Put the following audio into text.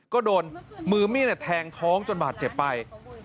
ก็โดนมือมีดแทงท้องจนบาดเจ็บไป